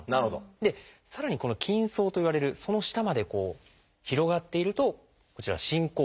でさらにこの「筋層」といわれるその下まで広がっているとこちらは進行がんとなるんです。